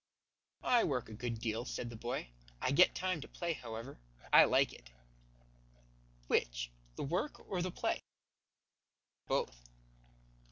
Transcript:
"I work a good deal," said the boy. "I get time to play, however. I like it." "Which, the work or the play?" "Both."